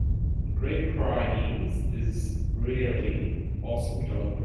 Great Pyrenees is a really awesome dog breed.